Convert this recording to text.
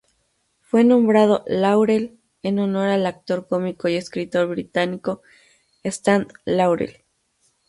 Fue nombrado Laurel en honor al actor cómico y escritor británico Stan Laurel.